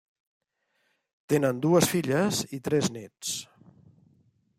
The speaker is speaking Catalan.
Tenen dues filles i tres néts.